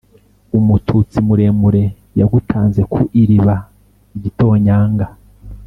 Umututsi muremure yagutanze ku iriba-Igitonyanga.